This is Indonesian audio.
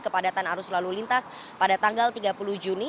kepadatan arus lalu lintas pada tanggal tiga puluh juni